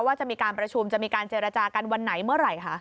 ว่าจะมีการประชุมจะมีการเจรจากันวันไหนเมื่อไหร่คะ